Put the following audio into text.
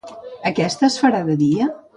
Aquesta, es farà de dia?